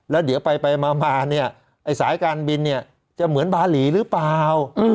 แล้วเดี๋ยวไปมาเนี่ยไอ้สายการบินเนี่ยจะเหมือนบาหลีหรือเปล่า